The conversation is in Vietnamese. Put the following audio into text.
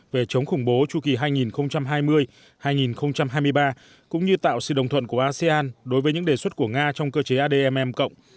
về chống khủng bố tru kỳ hai nghìn hai mươi hai nghìn hai mươi ba cũng như tạo sự đồng thuận của asean đối với những đề xuất của nga trong cơ chế admm cộng